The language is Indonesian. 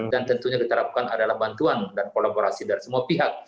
tentunya kita harapkan adalah bantuan dan kolaborasi dari semua pihak